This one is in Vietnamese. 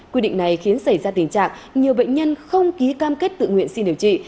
quy định này khiến xảy ra tình trạng nhiều bệnh nhân không ký cam kết tự nguyện xin điều trị